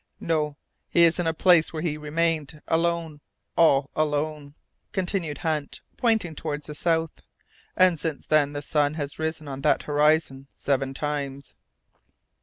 "No, he is in the place where he remained, alone, all alone," continued Hunt, pointing towards the south; "and since then the sun has risen on that horizon seven times."